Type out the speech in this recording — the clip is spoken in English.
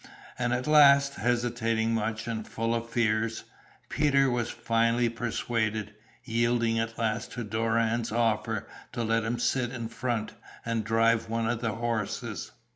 And at last, hesitating much, and full of fears, Peter was finally persuaded, yielding at last to Doran's offer to let him sit in front "and drive one of the horses."